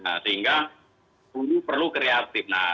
sehingga guru perlu kreatif